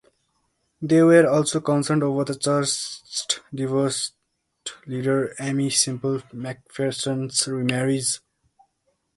They were also concerned over the church's divorced leader Aimee Semple McPherson's remarriage.